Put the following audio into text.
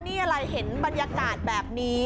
นี่อะไรเห็นบรรยากาศแบบนี้